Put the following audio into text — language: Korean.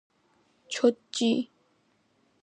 좋지.